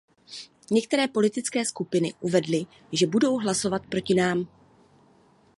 Některé politické skupiny uvedly, že budou hlasovat proti nám.